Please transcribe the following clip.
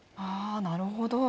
あなるほど。